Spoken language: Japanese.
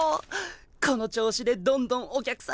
この調子でどんどんお客さん増やすよ！